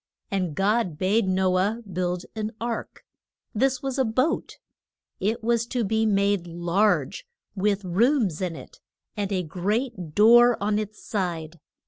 And God bade No ah build an ark. This was a boat. It was to be made large, with rooms in it, and a great door on its side.